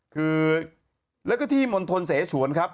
คือแล้วก็ที่มณฑลเสฉวนครับ